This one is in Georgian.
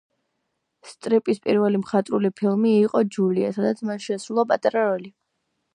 სტრიპის პირველი მხატვრული ფილმი იყო „ჯულია“, სადაც მან შეასრულა პატარა როლი.